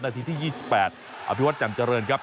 นาทีที่๒๘อภิวัตรจำเจริญครับ